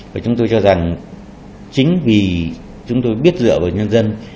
và chúng tôi cho rằng chính vì chúng tôi biết dựa vào nhân dân